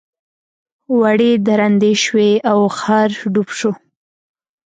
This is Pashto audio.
وړۍ درندې شوې او خر ډوب شو.